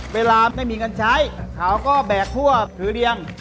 เวลาไม่มีเงินใช้เขาก็แบกทั่วถือเรียง